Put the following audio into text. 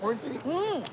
うん！